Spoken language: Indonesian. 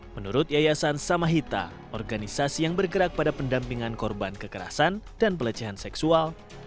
menurut yayasan samahita organisasi yang bergerak pada pendampingan korban kekerasan dan pelecehan seksual